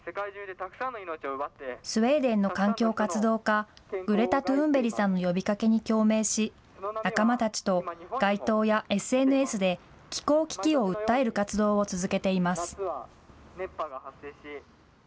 スウェーデンの環境活動家、グレタ・トゥーンベリさんの呼びかけに共鳴し、仲間たちと街頭やＳＮＳで、気候危機を訴える活動を続けています。